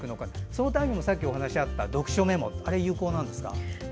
そのためにもさっきお話があった読書メモは有効なんですか。